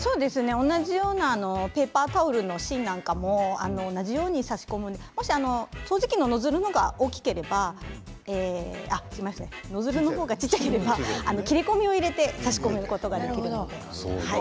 同じようなペーパータオルの芯なんかも差し込めますし掃除機のノズルの方が小さければ切り込みを入れて差し込むことができます。